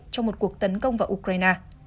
trong một cuộc tấn công vào ukraine